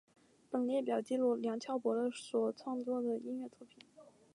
本列表记录梁翘柏的所创作的音乐作品